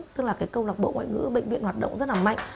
tức là câu lạc bộ ngoại ngữ bệnh viện hoạt động rất mạnh